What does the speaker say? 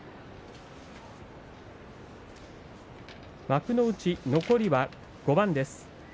幕内残りは５番です。